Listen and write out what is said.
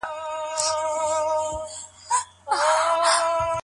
جنت د نیکو خلګو د اوسیدو ځای دی.